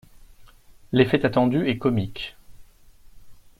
L'effet attendu est comique.